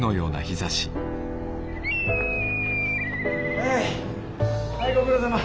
はいはいご苦労さま。